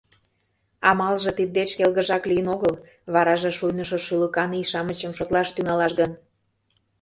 Амалже тиддеч келгыжак лийын огыл, вараже шуйнышо шӱлыкан ий-шамычым шотлаш тӱҥалаш гын!